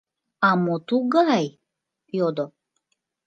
— А мо тугай? — йодо.